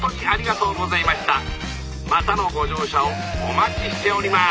またのご乗車をお待ちしております」。